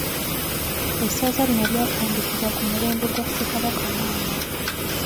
Essaza lino ly'atandikibwa ku mulembe gwa Ssekabaka Mwanga.